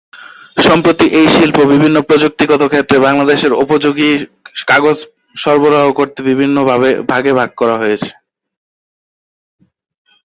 সম্প্রতি এই শিল্প বিভিন্ন প্রযুক্তিগত ক্ষেত্রে ব্যবহারের উপযোগী কাগজ সরবরাহ করতে বিভিন্ন ভাগে ভাগ হয়ে গেছে।